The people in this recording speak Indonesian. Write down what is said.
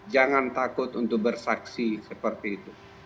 jangan takut untuk bersaksi seperti itu